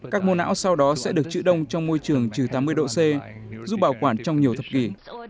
các mô não sau đó sẽ được trữ đông trong môi trường trừ tám mươi độ c giúp bảo quản trong nhiều thập kỷ